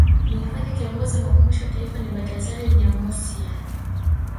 Mhifadhi Kiongozi wa Makumbusho ya Taifa ni Bartazar Nyamusya